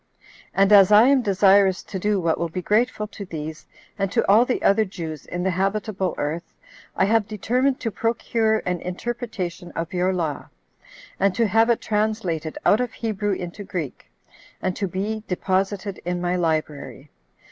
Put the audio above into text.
And as I am desirous to do what will be grateful to these, and to all the other Jews in the habitable earth, I have determined to procure an interpretation of your law, and to have it translated out of Hebrew into Greek, and to be deposited in my library.